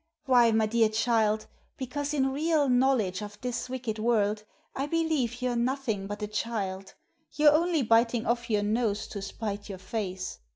"Why, my dear child, because in real knowledge of this wicked world I believe you're nothing but a child; you're only biting off your nose to spite your face.